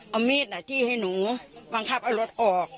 เอามีดจี้ให้หนูบังคับเอารถออก